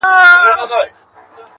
څومره طنازه څومره خوږه یې -